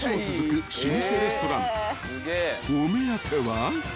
［お目当ては］